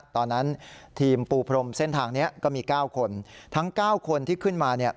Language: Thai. ตอนนั้นทีมปูพรมเส้นทางนี้ก็มี๙คนทั้ง๙คนที่ขึ้นมาเนี่ย